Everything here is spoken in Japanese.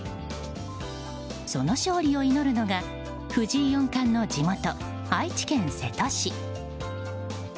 その勝利を祈るのが藤井四冠の地元・愛知県瀬戸市。